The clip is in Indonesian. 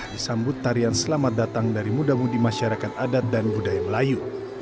disambut tarian selamat datang dari muda mudi masyarakat adat dan budaya melayu